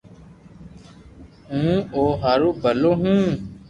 ھون او ھارو ڀلو ھون